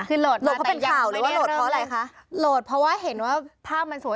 คือโหลดเพราะเป็นข่าวเลยว่าโหลดเพราะอะไรคะโหลดเพราะว่าเห็นว่าภาพมันสวย